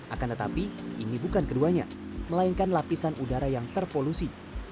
akan tetapi ini bukan keduanya melainkan lapisan udara yang terpolusi